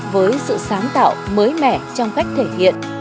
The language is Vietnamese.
với sự sáng tạo mới mẻ trong cách thể hiện